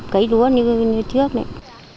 cây lúa như trước này